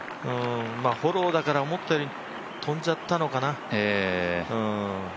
フォローだから思ったより飛んじゃったのかな。